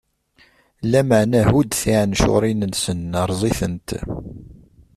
Lameɛna hudd tiɛencuṛin-nsen, rreẓ-itent.